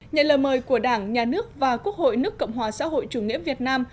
nhận lời mời của đảng nhà nước và quốc hội nước cộng hòa xã hội chủ nghĩa việt nam